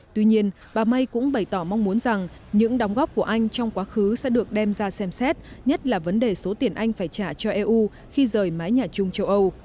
tuy nhiên bà may cũng bày tỏ mong muốn rằng những đóng góp của anh trong quá khứ sẽ được đem ra xem xét nhất là vấn đề số tiền anh phải trả cho eu khi rời mái nhà chung châu âu